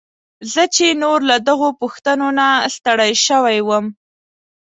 زه چې نور له دغو پوښتنو نه ستړی شوی وم.